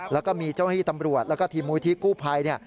แล้วก็มีเจ้าหน้าที่ตำรวจแล้วก็ทีมมูลที่กู้ภัย